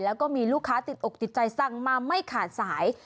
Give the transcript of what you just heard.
แล้วก็มีลูกค้าติดอกติดใจสั่งมาไม่ขาดสาย